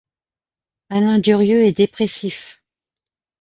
Alain Durieux est dépressif.